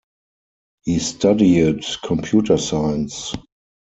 He studied computer science.